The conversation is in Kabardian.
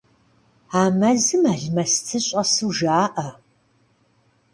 А мэзым алмэсты щӏэсу жаӏэ.